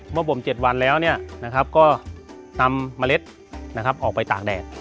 บ่ม๗วันแล้วก็นำเมล็ดออกไปตากแดด